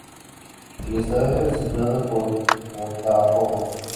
El estadio es gestionado por Botafogo.